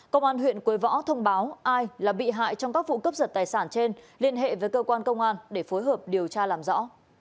công an huyện quế võ thông báo ai là bị hại trong các vụ cướp giật tài sản trên liên hệ với cơ quan công an để phối hợp điều tra làm rõ